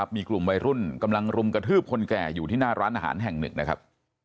มีกลุ่มวัยรุ่นกำลังรุมกระทืบคนแก่อยู่ที่หน้าร้านอาหารแห่งหนึ่งนะครับ